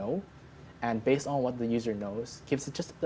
dan berdasarkan apa yang pengguna tahu